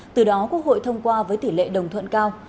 từ đó quốc hội thông qua với tỷ lệ đồng thuận cao